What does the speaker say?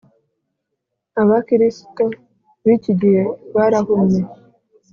abakiristo bikigihe barahumye